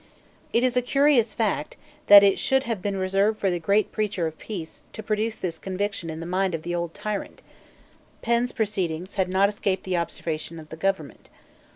It is a curious fact that it should have been reserved for the great preacher of peace to produce this conviction in the mind of the old tyrant, Penn's proceedings had not escaped the observation of the government.